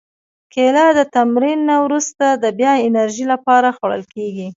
کېله د تمرین نه وروسته د بیا انرژي لپاره خوړل کېږي.